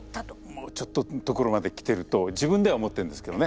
もうちょっとのところまで来てると自分では思ってるんですけどね。